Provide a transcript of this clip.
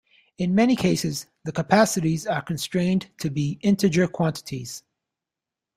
In many cases, the capacities are constrained to be integer quantities.